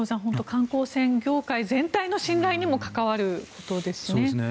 観光船業界全体の信頼にも関わることですしね。